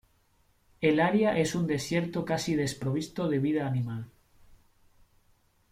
El área es un desierto casi desprovisto de vida animal.